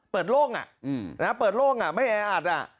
โล่งเปิดโล่งไม่แออัด